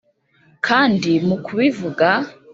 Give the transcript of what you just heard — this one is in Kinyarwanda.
kandi mu kubivuga